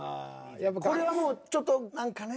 これはもうちょっと何かねえ。